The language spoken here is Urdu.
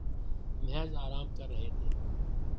محض آرام کررہے تھے